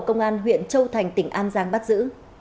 công an huyện châu thành tỉnh an giang bắt giữ